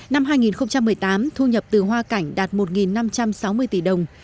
năm hai nghìn một mươi tám thu nhập từ hoa cảnh đạt một năm trăm sáu mươi tỷ đồng